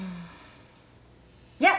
いや。